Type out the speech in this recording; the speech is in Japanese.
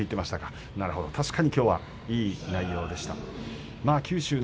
確かにきょうはいい相撲でした。